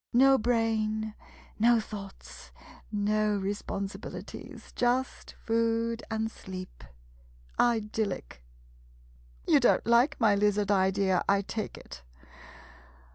No brain — no thoughts — no responsibilities — just food and sleep. Idyllic! You don't like my lizard idea, I take it?